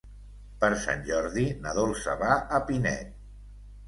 Per Sant Jordi na Dolça va a Pinet.